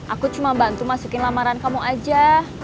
aku cuma bantu masukin lamaran kamu aja